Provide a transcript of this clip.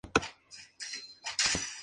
Comayagüela es un diminutivo de Comayagua.